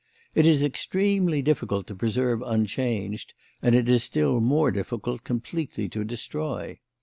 It is extremely difficult to preserve unchanged, and it is still more difficult completely to destroy.